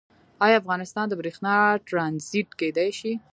آیا افغانستان د بریښنا ټرانزیټ کیدی شي؟